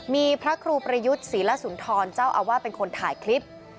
มีพระครูประยุทธ์ศรีละสุนทรเจ้าอาวาสเป็นคนถ่ายคลิป